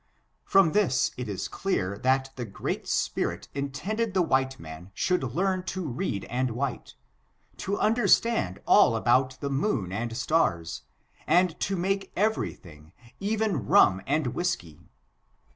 From this it is clear that the Great Spirit intended the white man should learn to read and write; to understand all about the moon and stars, and to make every thing, even rum and whisky.